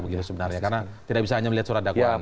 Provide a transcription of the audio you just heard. karena tidak bisa hanya melihat surat dakwaan